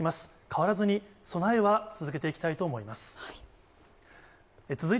変わらずに、備えは続けていきたいと思います。